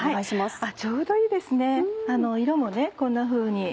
ちょうどいいですね色もこんなふうに。